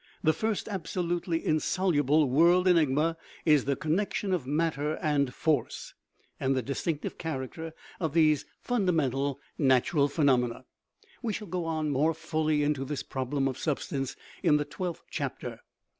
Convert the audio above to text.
The first absolutely in soluble "world enigma" is the "connection of matter and force," and the distinctive character of these fun 180 CONSCIOUSNESS damental natural phenomena ; we shall go more fully into this" problem of substance" in the twelfth chap ter.